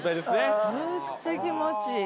むっちゃ気持ちいい。